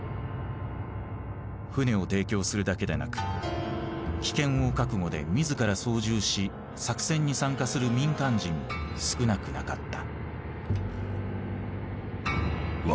船を提供するだけでなく危険を覚悟で自ら操縦し作戦に参加する民間人も少なくなかった。